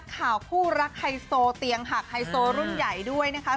ข่าวคู่รักไฮโซเตียงหักไฮโซรุ่นใหญ่ด้วยนะคะ